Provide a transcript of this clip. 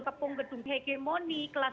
kepung gedung hegemoni kelas